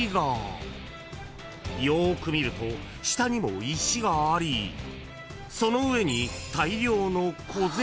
［よーく見ると下にも石がありその上に］